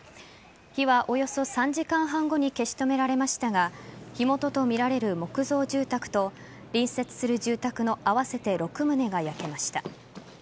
火はおよそ３時間半後に消し止められましたが火元とみられる木造住宅と隣接する住宅の合わせて６棟が焼けました。